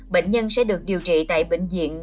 bệnh nhân sẽ được điều trị tại bệnh viện